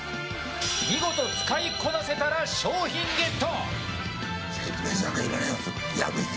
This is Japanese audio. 見事使いこなせたら商品ゲット。